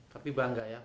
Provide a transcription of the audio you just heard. tapi bangga ya